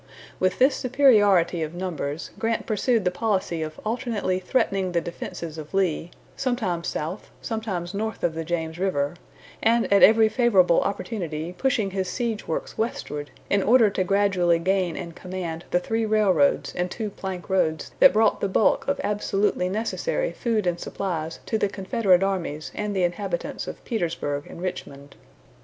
With this superiority of numbers, Grant pursued the policy of alternately threatening the defenses of Lee, sometimes south, sometimes north of the James River, and at every favorable opportunity pushing his siege works westward in order to gradually gain and command the three railroads and two plank roads that brought the bulk of absolutely necessary food and supplies to the Confederate armies and the inhabitants of Petersburg and Richmond.